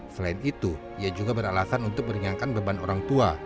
selain itu ia juga beralasan untuk meringankan beban orang tua